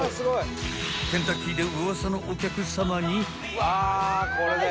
ケンタッキーでウワサのお客さまに。